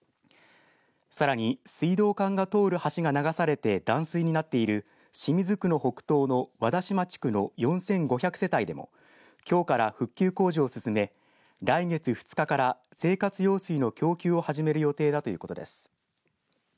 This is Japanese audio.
さらに、水道管が通る橋が流されて、断水になっている清水区の北東の和田島地区の４５００世帯でもきょうから復旧工事を進め来月２日から生活用水の供給を始める予定だということです。